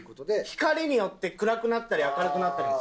光によって暗くなったり明るくなったりする。